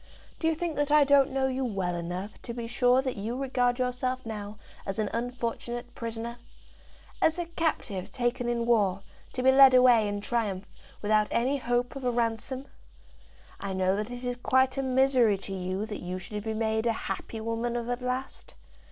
"Do you think that I don't know you well enough to be sure that you regard yourself now as an unfortunate prisoner, as a captive taken in war, to be led away in triumph, without any hope of a ransom? I know that it is quite a misery to you that you should be made a happy woman of at last.